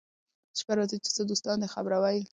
شپه راځي چي څه دوستان دي خبروه يې